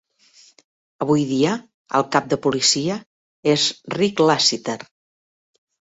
Avui dia el cap de policia és Rick Lassiter.